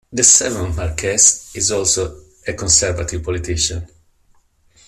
The seventh Marquess is also a Conservative politician.